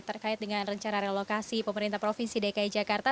terkait dengan rencana relokasi pemerintah provinsi dki jakarta